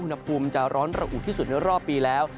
อุณหภูมิจะร้อนระอุที่สุดในรอบปีแล้ว